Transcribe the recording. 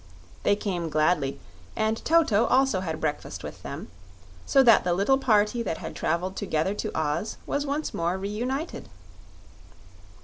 They came gladly, and Toto also had breakfast with them, so that the little party that had traveled together to Oz was once more reunited.